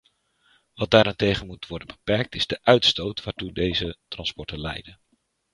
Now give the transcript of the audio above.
Wat daarentegen moet worden beperkt, is de uitstoot waartoe deze transporten leiden.